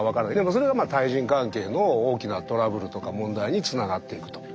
それが対人関係の大きなトラブルとか問題につながっていくと。